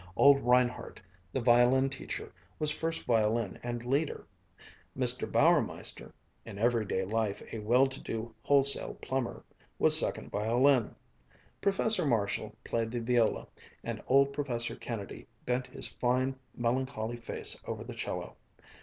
Old Reinhardt, the violin teacher, was first violin and leader; Mr. Bauermeister (in everyday life a well to do wholesale plumber) was second violin; Professor Marshall played the viola, and old Professor Kennedy bent his fine, melancholy face over the 'cello.